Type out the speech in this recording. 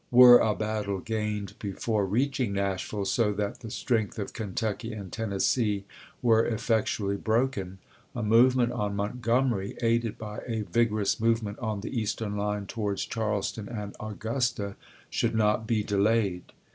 Were a battle gained before reaching Nashville, so that the strength of Kentucky and Tennessee were effectually broken, a movement on Montgomery, aided by a vigorous movement on the eastern line towards Charleston and 300 ABRAHAM LINCOLN CH. XVII. Augusta, should not be delayed.